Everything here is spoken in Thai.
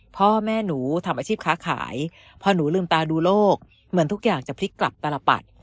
พ่อแม่หนูทำอาชีพค้าขายพอหนูลืมตาดูโลกเหมือนทุกอย่างจะพลิกกลับตลปัด